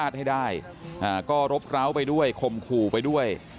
อายุเข้าไปด้วยคมขู่ไปด้วย